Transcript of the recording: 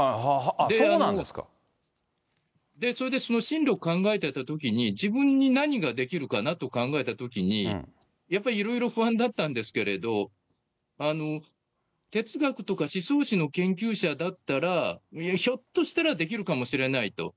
で、それで進路を考えてたときに、自分に何ができるかなと考えたときに、やっぱりいろいろ不安だったんですけれど、哲学とか思想史の研究者だったら、ひょっとしたらできるかもしれないと。